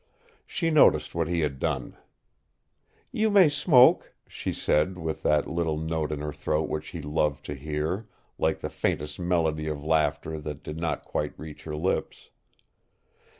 She noticed what he had done. "You may smoke," she said, with that little note in her throat which he loved to hear, like the faintest melody of laughter that did not quite reach her lips.